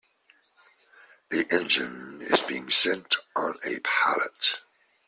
The engine is being sent on a pallet.